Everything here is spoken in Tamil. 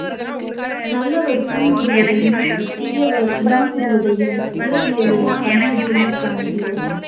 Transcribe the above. நல்லவர் துன்புறுவதையும் தீயவர் இன்புறுவதையும் உலகியலில் கண்ணெதிரில் காண்கிறோம்.